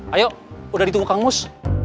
ayo udah ditunggu kang mus